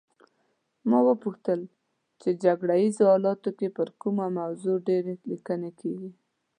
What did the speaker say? ما وپوښتل په جګړه ایزو حالاتو کې پر کومه موضوع ډېرې لیکنې کیږي.